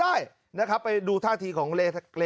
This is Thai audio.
สดีใจซึ่งมีหลายกรณีสถิตรธรรมถิษฐ์เคลียร์แก้